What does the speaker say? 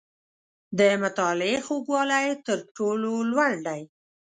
• د مطالعې خوږوالی، تر ټولو لوړ دی.